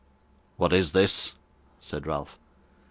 'What is this?' said Ralph.